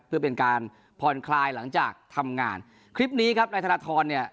เพื่อเป็นการผ่อนคลายหลังจากทำงานคลิปนี้ครับนายธนทรเนี่ย